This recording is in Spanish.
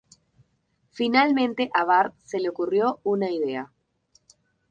Finalmente, a Bart se le ocurrió una idea.